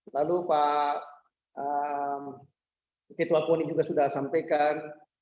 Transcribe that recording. lalu pak ketua pon ini juga sudah sampaikan